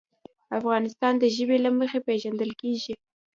افغانستان د ژبې له مخې پېژندل کېږي.